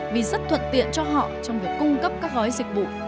vì rất thuận tiện cho họ trong việc cung cấp các gói dịch vụ